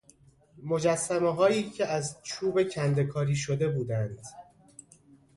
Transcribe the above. مجسمههایی که از چوب کنده کاری شده بودند